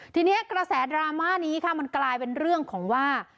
ทีนี้กระแสดราม่านี้ค่ะมันกลายเป็นเรื่องของว่า